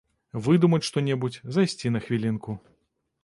Выдумаць што-небудзь, зайсці на хвілінку.